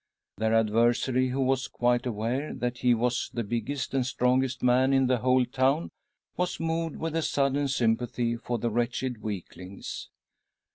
Their adversary, who was quite aware that 1 he was the biggest and strongest man in the whole town, was moved with a sudden sympathy for the wretched weaklings..